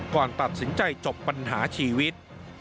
ก่อนตัดสินใจจบปัญหาชีวิต